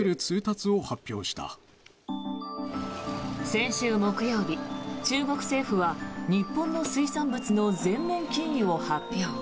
先週木曜日、中国政府は日本の水産物の全面禁輸を発表。